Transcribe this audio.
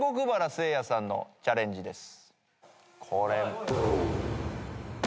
せいやさんのチャレンジです。